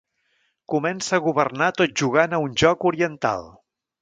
Comença a governar tot jugant a un joc oriental.